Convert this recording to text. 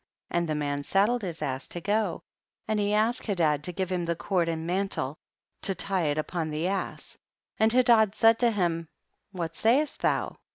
28. And the man saddled his ass to go, and he asked Hedad to give him the cord and mantle to tie it up on the ass. 29. And Hedad said to him, what sayest ihou?